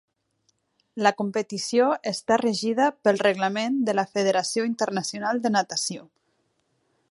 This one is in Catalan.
La competició està regida pel reglament de la Federació Internacional de Natació.